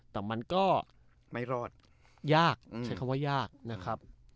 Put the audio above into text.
แต่มันก็ไม่รอดยากใช้คำว่ายากนะครับ